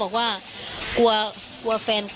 เป็นวันที่๑๕ธนวาคมแต่คุณผู้ชมค่ะกลายเป็นวันที่๑๕ธนวาคม